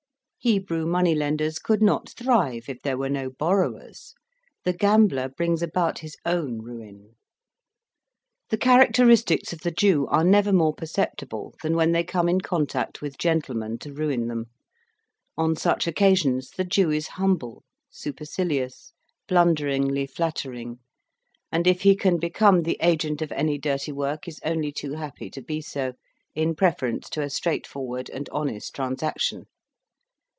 Hebrew money lenders could not thrive if there were no borrowers: the gambler brings about his own ruin. The characteristics of the Jew are never more perceptible than when they come in contact with gentlemen to ruin them. On such occasions, the Jew is humble, supercilious, blunderingly flattering; and if he can become the agent of any dirty work, is only too happy to be so, in preference to a straightforward and honest transaction.